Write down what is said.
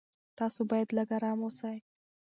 تاسو باید لږ ارام اوسئ.